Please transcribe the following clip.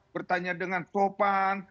bertanya dengan sopan